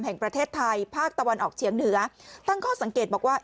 แห่งประเทศไทยภาคตะวันออกเฉียงเหนือตั้งข้อสังเกตบอกว่า